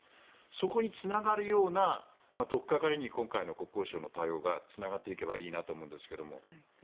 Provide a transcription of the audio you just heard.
そこにつながるような取っかかりに今回の国交省の対応がつながっていけばいいなと思うんですけど。